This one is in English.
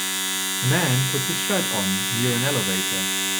A man puts his shirt on near an elevator.